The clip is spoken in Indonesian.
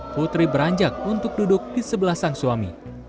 putri beranjak untuk duduk di sebelah sang suami